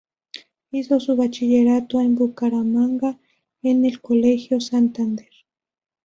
Hizo su bachillerato en Bucaramanga en el Colegio Santander.